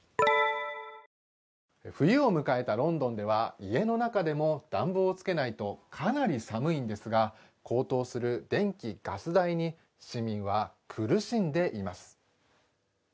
冬を迎えたロンドンでは家の中でも暖房をつけないとかなり寒いんですが高騰する電気・ガス代に市民は苦しんでいます。